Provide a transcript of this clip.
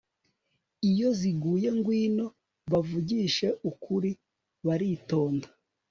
Iyo ziguye ngwino bavugishije ukuri baritonda